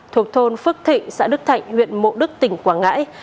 thuộc thôn phước thịnh xã đức thạnh huyện mộ đức tỉnh quảng ngãi